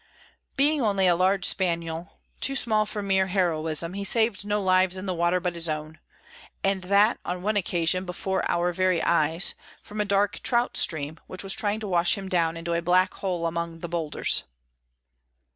Being only a large spaniel, too small for mere heroism, he saved no lives in the water but his own—and that, on one occasion, before our very eyes, from a dark trout stream, which was trying to wash him down into a black hole among the boulders.